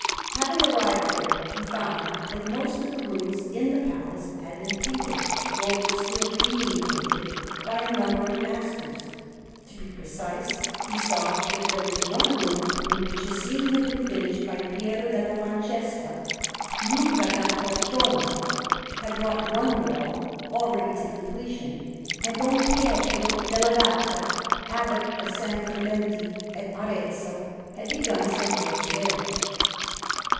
Having arrived there, he found that most of the rooms in the Palace had been painted, or were still being painted, by a number of masters. To be precise, he saw that there was one room in which a scene had been finished by Piero della Francesca; Luca da Cortona had brought one wall nearly to completion; and Don Pietro della Gatta, Abbot of S. Clemente at Arezzo, had begun some works there.